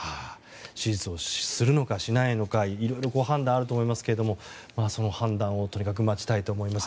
手術をするのかしないのかいろいろ判断あると思いますけどその判断を待ちたいと思います。